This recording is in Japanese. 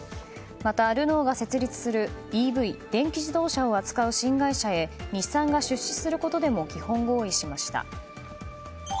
また、ルノーが設立するＥＶ・電気自動車を扱う新会社へ日産が出資することでも基本合意しました。